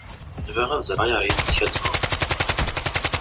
Bɣiɣ ad ẓreɣ ayɣer i iyi-d-teskaddbeḍ.